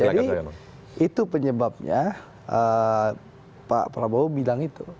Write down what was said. jadi itu penyebabnya pak prabowo bilang itu